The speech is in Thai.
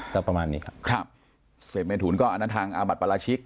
แต่ประมาณนี้ครับครับเสร็จแม่ถุนก็อันทางอาบัติปราชิก